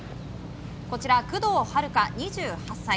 こちら、工藤遥加、２８歳。